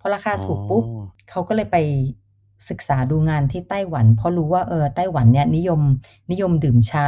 พอราคาถูกปุ๊บเขาก็เลยไปศึกษาดูงานที่ไต้หวันเพราะรู้ว่าไต้หวันเนี่ยนิยมนิยมดื่มชา